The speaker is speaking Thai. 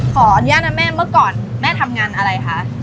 ขออนุญาตนะแม่เมื่อก่อนแม่ทำงานอะไรคะ